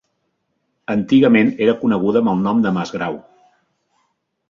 Antigament era coneguda amb el nom de Mas Grau.